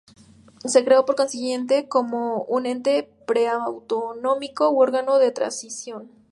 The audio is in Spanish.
Se creó por consiguiente como un ente preautonómico u órgano de transición.